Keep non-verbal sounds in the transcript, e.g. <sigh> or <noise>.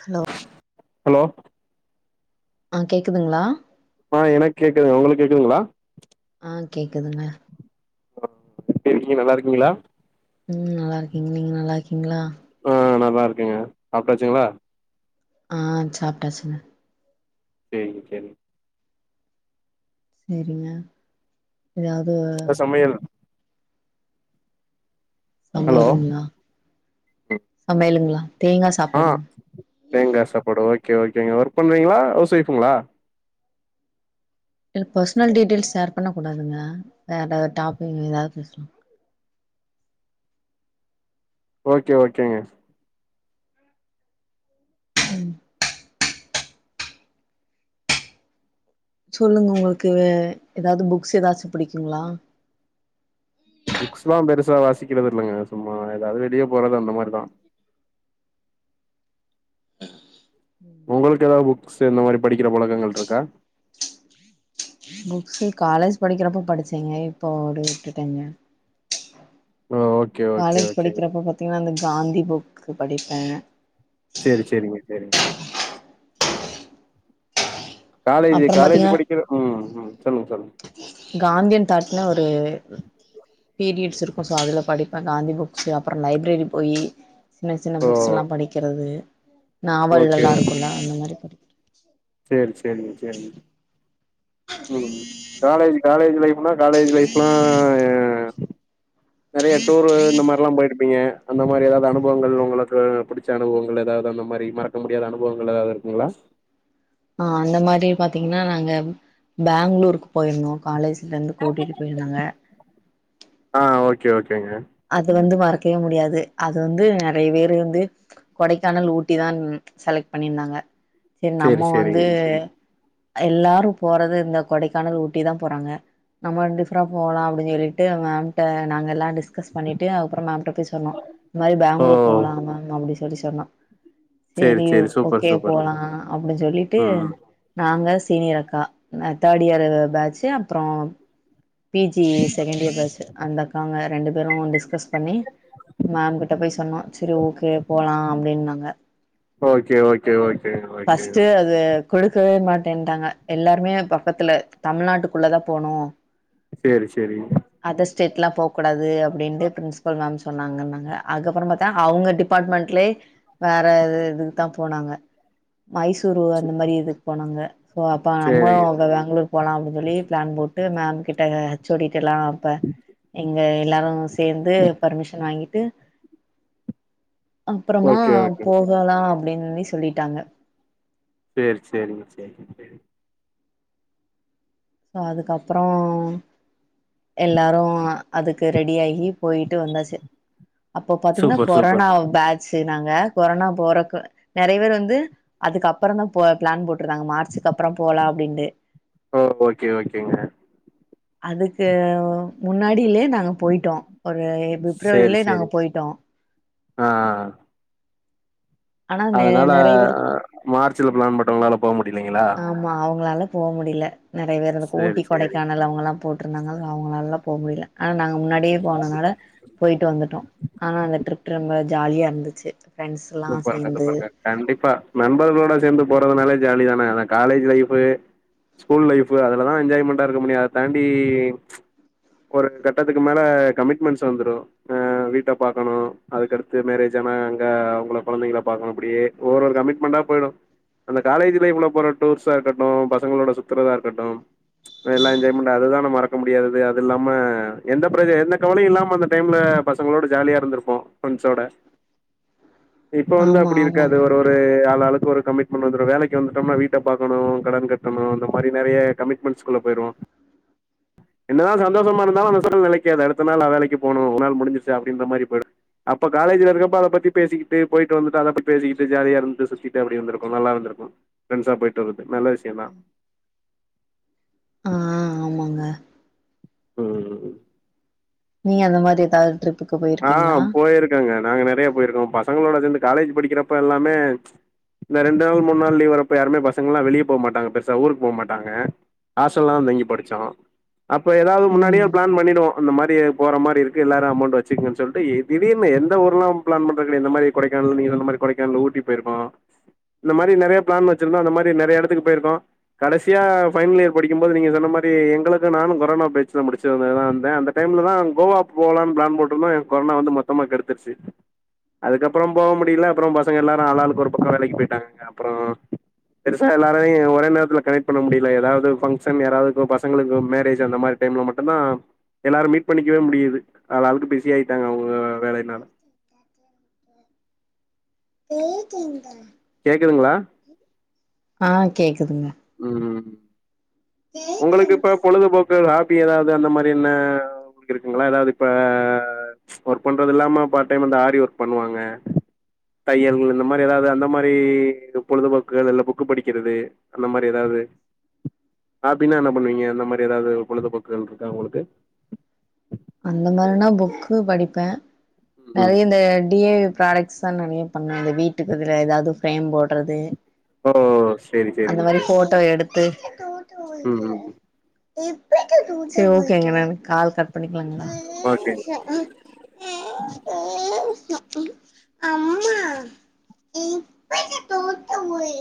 hello hello ஆ கேக்குதுங்ளா ஆ எனக்கு கேக்குது உங்களுக்கு கேக்குதுங்ளா ஆ கேக்குதுங்க ஆ எப்டி இருக்கீங்க நல்லா இருக்கீங்களா ம் நல்லா இருக்கீங்க நீங்க நல்லா இருக்கீங்களா ஆ நல்லா இருக்கேங்க சாப்ட்டாச்சுங்களா ஆ சாப்ட்டாச்சுங்க சேரிங்க சேரிங்க சேரிங்க ஏதாவது என்ன சமையல் ஹலோ சமையலுங்ளா சமையலுங்ளா தேங்கா ஆ சாப்பாடுங்க தேங்கா சாப்பாடு ஓகே ஓகேங்க ஒர்க் பண்றீங்களா ஹவுஸ் ஒய்ஃப்ங்களா இதுல பர்சனல் டீட்டெயில்ஸ் ஷேர் பண்ணக்கூடாதுங்க வேற டாப்பிக் ஏதாது பேசலா ஓகே ஓகேங்க சொல்லுங்க உங்களுக்கு ஏதாது புக்ஸ் ஏதாச்சு பிடிக்குங்களா புக்ஸ்லா பெருசா வாசிக்கிறது இல்லங்க சும்மா ஏதாது வெளிய போறது அந்த மாரிதா உங்களுக்கு ஏதாது புக்ஸ்சு இந்த மாரி படிக்கிற பழக்கங்கள் இருக்கா புக்ஸ்சு காலேஜ் படிக்கிறப்ப படிச்சேங்க இப்போ அப்டியே விட்டுட்டேங்க ஓ ஓகே காலேஜ் ஓகேங்க படிக்கிறப்ப பாத்தீங்கன்னா இந்த காந்தி புக்கு படிப்பே சேரி சேரிங்க சேரிங்க காலேஜு அப்புறம் காலேஜ் பாத்தீங்கன்னா படிக்கிற ம் ம் சொல்லுங்க சொல்லுங்க காந்தியன் தட்ன்ன ஒரு பீரியட்ஸ் இருக்கு சோ அதுல படிப்பே காந்தி புக்ஸ்சு அப்றோ லைப்ரேரி போயி சின்ன சின்ன ஓ புக்ஸெல்லா படிக்கிறது நாவல் ஓகே எல்லா இருக்குல்ல அந்த மாரி படிப் சேரி சேரிங்க சேரிங்க ம் காலேஜ் காலேஜ் லைஃப்னா காலேஜ் லைஃப்லா ஏ <unintelligible> நெறைய டூரு இந்த மார்லா போயிருப்பீங்க அந்த மாரி எதாவது அனுபவங்கள் உங்களுக்கு புடிச்ச அனுபவங்கள் எதாவது அந்த மாரி மறக் முடியாத அனுபவங்கள் எதாவது இருக்குங்களா ஆ அந்த மாரி பாத்தீங்கன்னா நாங்க பெங்களூருக்கு போயிருந்தோ காலேஜ்லருந்து கூட்டிட்டு போயிருந்தாங்க ஆ ஓகே ஓகேங்க அது வந்து மறக்கவே முடியாது அது வந்து நெறைய பேரு வந்து கொடைக்கானல் ஊட்டிதான் செலக்ட் பண்ணிருந்தாங்க செரி சேரி நம்ம வந்து சேரிங்க எல்லாரு போறது இந்த கொடைக்கானல் ஊட்டி தா போறாங்க நம்ம டிஃப்ரா போகலா அப்புடின் சொல்லிட்டு மேம்ட நாங்க எல்லா டிஸ் கஸ் பண்ணிட்டு அதுக்கப்பறோ மேம்கிட்ட போய் சொன்னோ இந்த மாரி ஓ பெங்களூர் போகலா மேம் அப்டி சொல்லி சொன்னோ சேரி செரி ஓ சேரி சூப்பர் ஓகே சூப்பருங்க போலாம் அப்புடின் சொல்லிட்டு ம் நாங்க சீனியர் அக்கா நா தேர்ட் இயரு பேட்ஜு அப்றோ P G second year batch அந்த அக்காங்க ரெண்டு பேரு டிஸ்கஸ் பண்ணி மேம் கிட்ட போய் சொன்னோ செரி ஓகே போலாம் அப்டின்னாங்க okay okay okay okay first அது குடுக்கவே மாட்டேன்டாங்க எல்லாருமே பக்கத்துல தமிழ்நாட்டுக்குள்ள தா போனு சேரி சேரிங் அதர் ஸ்டேட்லா போ கூடாது அப்டின்ட்டு பிரின்சிபல் மேம் சொன்னாங்கனாங்க அதுக்கப்பறோ பாத்தா அவுங்க டிபார்ட்மெண்ட்லே வேற எது இதுக்கு தா போனாங்க மைசூரு அந்த மாரி இதுக்கு போனாங்க சோ அப்ப நம்மளு சேரிங்க பா பெங்களூரு போலா அப்டின் சொல்லி ப்ளான் போட்டு மேம் கிட்ட ஹெச்சோடிக்கிட்டலா அப்ப எங்க எல்லாரு சேர்ந்து பர்மிஷன் வாங்கிட்டு அப்பறமா ஓகே ஓகே போகலா அப்டின்னே சொல்லிட்டாங்க சேரி சேரிங்க சேரிங்க சேரிங் சோ அதுக்கப்பறோ எல்லாரு அதுக்கு ரெடி ஆகி பொயிட்டு வந்தாச்சு அப்போ பாத்தீங்கன்னா சூப்பர் சூப்பர் கொரோனா பேட்ஜு நாங்க கொரோனா போறக்க நெறைய பேர் வந்து அதுக்கு அப்பறோந்தா போ ப்ளான் போட்ருந்தாங்க மார்ச்சுக்கு அப்பறோ போலா அப்டின்ட்டு ஓ ஓகே ஓகேங்க அதுக்கு முன்னாடிலே நாங்க பொயிட்டோ ஒரு பிப்ரவரிலே நாங்க பொயிட்டோ ஆ ஆ ஆ ஆனா நெ அதுனால நெறைய பேர் மார்ச்ல ப்ளான் போட்டவுங்களால போ முடியலிங்களா ஆமா அவுங்களால போ முடியல நெறைய பேரு அதுக்கு சேரி ஊட்டி சேரி கொடைக்கானல் அவுங்களாம் போட்ருந்தாங்க அவுங்கனால போ முடில ஆனா நாங்க முன்னாடியே போனனால போய்ட்டு வந்துட்டோ ஆனா அந்த ட்ரிப் ரொம்ப ஜாலியா இருந்துச்சு ஃப்ரெண்ட்ஸ்ல்லா சூப்பர்ங்க சேந்து சூப்பர்ங்க கண்டிப்பா நண்பர்களோட சேந்து போறதுனாலே ஜாலிதானே ஆனா காலேஜி லைஃபு ஸ்கூல் லைஃபு அதுலதா என்ஜாய்மெண்டா இருக்க முடியு அத தாண்டி ஒரு கட்டத்துக்கு மேல கமிட்மெண்ட்ஸ் வந்துரு அ வீட்ட பாக்கணு அதுக்கடுத்து மேரேஜ் ஆனா அங்க கொழந்தைங்கள பாக்கணு அப்டியே ஒரு ஒரு கமிட்மெண்டா போயிடு அந்தக் காலேஜ் லைஃப்ல போற டூர்ஸா இருக்கட்டு பசங்களோட சுத்துறதா இருக்கட்டு எல்லா என்ஜாய்மெண்ட் அது தானே மறக் க்க முடியாதது அது இல்லாம எந்த ப்ர எந்த கவலையு இல்லாம அந்த டைம்ல பசங்களோட ஜாலியா இருந்துருப்போ ஃப்ரெண்ட்ஸ்சோட இப்ப வந்து ஆமா அப்டி இருக்காது ஆமாங்க ஒரு ஒரு ஆளாளுக்கு ஒரு கமிட்மெண்ட் வந்துரு வேலைக்கு வந்துடோம்னா வீட்ட பாக்கணு கடன் கட்டணு அந்த மாரி நெறைய கமிட் மென்ட்ஸ் குள்ள போய்ருவோ என்னதா சந்தோஷமா இருந்தாலு அந்த சந்தோஷோ நெலைக்காது அடுத்த நாள் நா வேலைக்கு போனு ஒரு நாள் முடிஞ்சுருச்சு அப்டின்ற மாரி போய்டு அப்ப காலேஜ்ல இருக்கப்ப அத பத்தி பேசிக்கிட்டு போய்ட்டு வந்துட்டு அத பத்தி பேசிகிட்டு ஜாலியா இருந்துட்டு சுத்திட்டு அப்டி வந்திருக்கு நல்லாருந்துருக்கு ஃப்ரெண்ட்ஸா போய்ட்டு வர்றது நல்ல விஷயந்தா ஆ ஆமாங்க ம் நீங்க அந்த மாரி எதாது ட்ரிப்பு ஆ போயிருக்கோங்க நாங்க நெறையா போயிருக்கோ பசங்களோட சேர்ந்து காலேஜ் படிக்கிறப்ப எல்லாமே இந்த ரெண்டு நாள் மூணு நாள் லீவ் வரப்ப யாருமே பசங்கல்லா வெளிய போமாட்டாங்க பெருசா ஊருக்கு போமாட்டாங்க ஹாஸ்டல்லதா தங்கி படிச்சோ அப்போ ஏதாது முன்னாடியே ம் ப்ளான் பண்ணிடுவோ அந்த மாரி போற மாரி இருக்கு எல்லாரு அமௌண்டு வச்சுகுங்கன்னு சொல்லிட்டு திடீர்ன்னு எந்த ஊர்லா ப்ளான் பண்றது கெடையாது இந்த மாரி கொடைக்கானல் நீங்க சொன்ன மாரி கொடைக்கானல் ஊட்டி போய்ருக்கோ இந்த மாரி நெறையா ப்ளான் வச்சிருந்தோ அந்த மாரி நெறய எடத்துக்கு போய்ர்க்கோ கடைசியா ஃபைனல் இயர் படிக்கும் போது நீங்க சொன்ன மாரி எங்களுக்கு நானு கொரோனா பேட்ச்ல முடிச்சதுதா வந்தே அந்த டைம்லதா கோவா போலான் ப்ளான் போட்ருந்தோ என் கொரோனா வந்து மொத்தமா கெடுத்துர்ச்சு அதுக்கப்புறோ போவ முடில அப்றோ பசங்க எல்லாரு ஆளாளுக்கு ஒரு பக்கோ வேலைக்கு போயிட்டாங்கங்க அப்றோ பெருசா எல்லாரையு ஒரே நேரத்துல கனெக்ட் பண்ண முடில எதாது ஃபங்க்ஷன் யாராவது பசங்களுக்கு மேரேஜ் அந்த மாரி டைம்ல மட்டுதா எல்லாரு மீட் பண்ணிக்கவே முடியுது ஆளாளுக்கு பிஸி ஆயிட்டாங்க அவுங்க வேலையினால பிளேட் எங்க கேக்குதுங்ளா ஆ கேக்குதுங்க ம் உங்களுக்கு இப்ப கேக்குதுங்க பொழுதுபோக்கு ஹாபி ஏதாது அந்த மாரி என்ன உங்ளுக்கு இருக்குங்ளா ஏதாது இப்ப ஒர்க் பண்றது இல்லாம பார்ட் டைமா அந்த ஆரி ஒர்க் பண்ணுவாங்க தையல்கள் இந்த மாரி எதாது அந்த மாரி பொழுதுபோக்குகள் இல்ல புக்கு படிக்கிறது அந்த மாரி எதாவ்து ஹாபின்னா என்ன பண்ணுவீங்க இந்த மாரி ஏதாது பொழுதுபோக்குகள் இருக்கா உங்களுக்கு அந்த மாறினா புக்கு படிப்பே ம் நெறைய இந்த டி ஏ ப்ராடக்ட் எக்ஸா நெறைய பண்ணே இந்த வீட்டுக்குதுல ஏதாது ஃப்ரேம் போட்றது ஓ செரி அந்த செரிங்க மாரி செரி ஃபோட்டோ எடுத்து ம் ம் செரி ஓகேங்க நா கால் கட் பண்ணிக்லாங்ளா ஓகே <unintelligible> அம்மா இப்பத்த தோத்த முறி